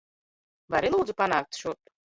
Vari, lūdzu, panākt šurp?